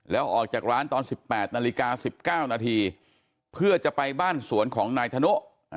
แล้วออกจากร้านตอน๑๘นาฬิกา๑๙นาทีเพื่อจะไปบ้านสวนของนายธนุ